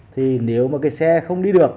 thì nếu mà cái xe không đi được